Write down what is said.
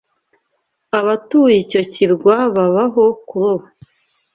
Abatuye icyo kirwa babaho kuroba.